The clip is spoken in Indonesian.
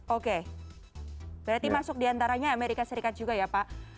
oke berarti masuk diantaranya amerika serikat juga ya pak